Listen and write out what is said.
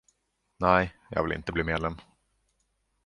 Nej, jag vill inte bli medlem.